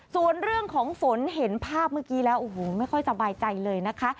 ส่วนเรื่องของฝนเห็นภาพเมื่อกี้แล้วโอ้โหไม่ค่อยสบายใจเลยนะคะ